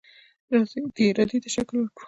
راځئ دې ارادې ته شکل ورکړو.